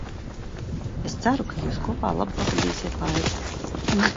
Es ceru, ka jūs kopā labi pavadīsiet laiku!